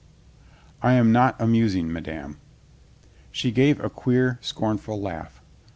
"I am not amusing, madame." She gave a queer, scornful laugh.